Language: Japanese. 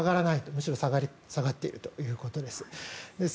むしろ下がっているということです。